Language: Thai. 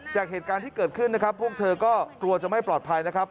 จากเหตุการณ์ที่เกิดขึ้นนะครับพวกเธอก็กลัวจะไม่ปลอดภัยนะครับ